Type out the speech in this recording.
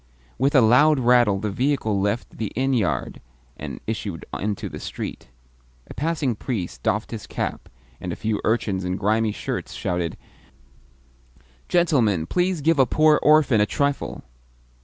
With a loud rattle the vehicle left the inn yard, and issued into the street. A passing priest doffed his cap, and a few urchins in grimy shirts shouted, "Gentleman, please give a poor orphan a trifle!"